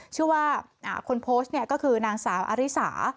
ชื่อว่าคนโพสต์ก็คือนางสาวอาริสา